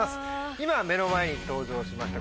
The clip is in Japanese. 今目の前に登場しました